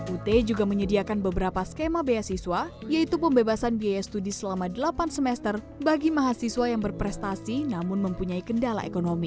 ut juga menyediakan beberapa skema beasiswa yaitu pembebasan biaya studi selama delapan semester bagi mahasiswa yang berprestasi namun mempunyai kendala ekonomi